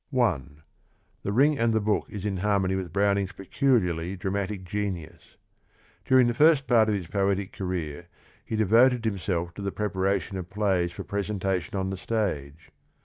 1. The Ring and the Book is in harmony with Browning's peculiarly dramatic genius. During the first part of his poetic career he devoted himself to the preparation of plays for presenta tion on the stage.